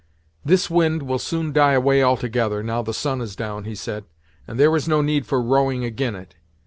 "This wind will soon die away altogether, now the sun is down," he said, "and there is no need for rowing ag'in it.